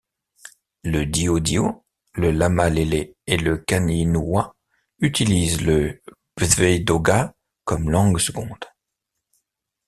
Le diodio, le lamalele et le kaninuwa utilisent le bwaidoga comme langue seconde.